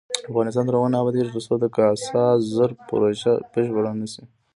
افغانستان تر هغو نه ابادیږي، ترڅو د کاسا زر پروژه بشپړه نشي.